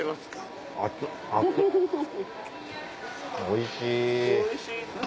おいしい。